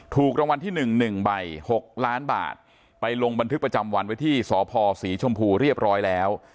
ถูกรางวัลที่๑๑ใบ๖ล้านบาทไปลงบันทึกประจำวันไว้ที่สพศรีชมพูเรียบร้อยแล้ว